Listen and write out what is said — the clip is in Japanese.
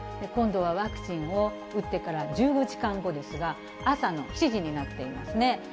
今度はワクチンを打ってから１５時間後ですが、朝の７時になっていますね。